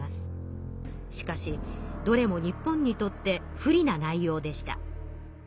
しかしどれも日本にとって不利な内容でした。